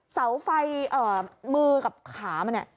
เสาไฟมือกับขามันเนี่ย